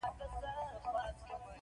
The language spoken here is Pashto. چیني په دروازه پنجې ښخې کړې وې.